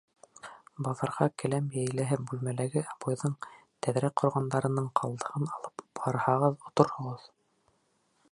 Баҙарға келәм йәйеләһе бүлмәләге обойҙың, тәҙрә ҡорғандарының ҡалдығын алып барһағыҙ оторһоғоҙ.